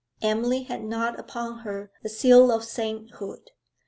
Emily had not upon her the seal of sainthood.